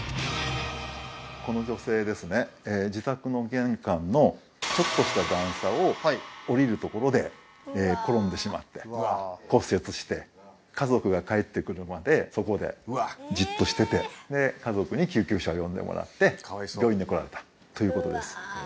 この女性ですね自宅の玄関のちょっとした段差を下りるところで転んでしまって骨折して家族が帰ってくるまでそこでじっとしてて家族に救急車を呼んでもらって病院に来られたということです